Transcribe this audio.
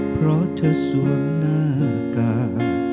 เพราะเธอสวมหน้ากา